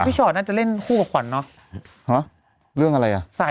พี่ชอดน่าจะเล่นคู่กับขวัญเนาะ